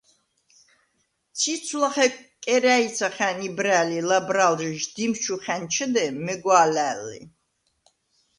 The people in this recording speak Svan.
ციცვ ლახე კერა̄̈ჲცახა̈ნ იბრა̄̈ლ ი ლაბრა̄ლჟი შდიმს ჩუ ხა̈ნჩჷდე, მეგვა̄ლა̈ლ ლი.